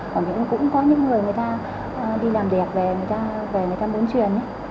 còn cũng có những người người ta đi làm đẹp về người ta muốn truyền